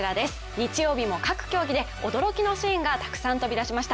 日曜日も各競技で驚きのシーンがたくさん飛び出しました。